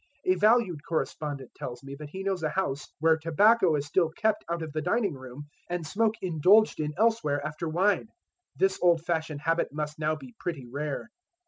A valued correspondent tells me that he knows a house "where tobacco is still kept out of the dining room, and smoke indulged in elsewhere after wine. This old fashioned habit must now be pretty rare."